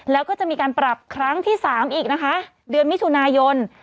แล้วก็จะมีการปรับครั้งที่๓อีกนะคะเดือนมิถุนายน